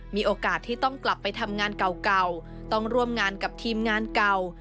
มีโอกาสที่ต้องกลับไปทำงานเก่าต้องร่วมงานกับทีมงานเก่า